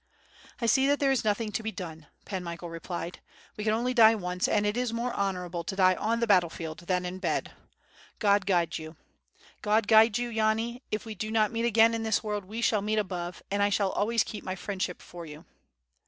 "I see that there is nothing else to be done," Pan Michael replied. "We can only die once and it is more honorable to die on the battle field than in bed. God guide you! God guide you, Yani, if we do not meet again in this world we shall meet above and I shall always keep my friendship for you."